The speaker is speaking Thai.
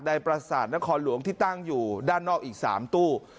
ประสาทนครหลวงที่ตั้งอยู่ด้านนอกอีก๓ตู้